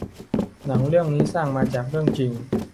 หนังเรื่องนี้สร้างมาจากเรื่องจริง